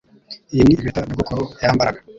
Iyi ni impeta nyogokuru yambaraga